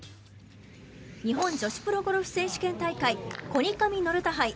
日本女子プロゴルフ選手権大会コニカミノルタ杯。